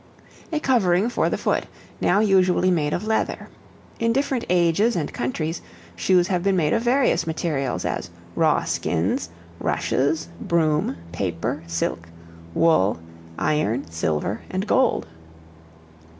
A covering for the foot, now usually made of leather. In different ages and countries, shoes have been made of various materials, as raw skins, rushes, broom, paper, silk, wool, iron, silver, and gold.